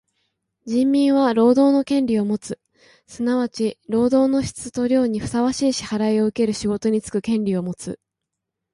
人民は労働の権利をもつ。すなわち労働の質と量にふさわしい支払をうける仕事につく権利をもつ。